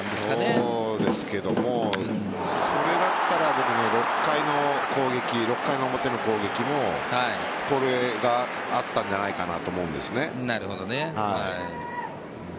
そうですけどもそれだったら６回の表の攻撃もこれがあったんじゃないかなと思うんですよね。